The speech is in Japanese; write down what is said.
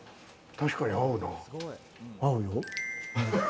確かに合うよ。